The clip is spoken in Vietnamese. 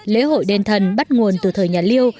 lễ hội đền thần bắt nguồn từ thời nhà liêu